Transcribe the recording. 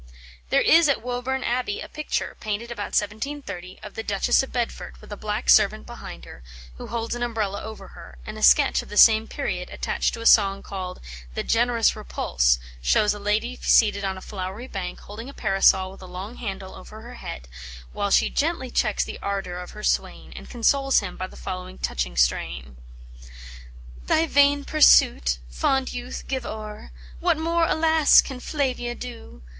There is at Woburn Abbey a picture, painted about 1730, of the Duchess of Bedford, with a black servant behind her, who holds an Umbrella over her, and a sketch of the same period attached to a song called "The Generous Repulse," shows a lady seated on a flowery bank holding a Parasol with a long handle over her head, while she gently checks the ardour of her swain, and consoles him by the following touching strain: "Thy vain pursuit, fond youth, give o'er, What more, alas! can Flavia do?